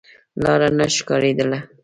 لاره نه ښکارېدله.